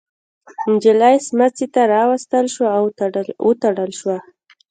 نجلۍ سمڅې ته راوستل شوه او تړل شوه.